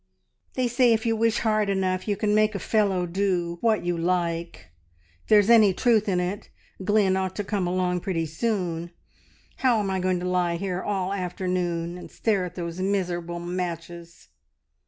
"They say if you wish hard enough you can make a fellow do what you like. If there's any truth in it, Glynn ought to come along pretty soon. How am I going to lie here all afternoon and stare at those miserable matches?